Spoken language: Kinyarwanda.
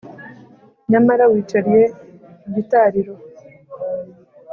nyamara wicariye igitariro